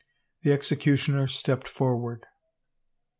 The executioner stepped forward.